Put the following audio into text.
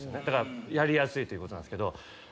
だからやりやすいっていうことなんですけど。